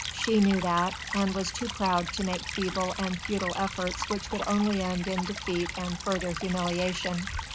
She knew that, and was too proud to make feeble and futile efforts which could only end in defeat and further humiliation.